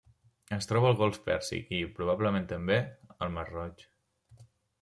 Es troba al golf Pèrsic i, probablement també, el mar Roig.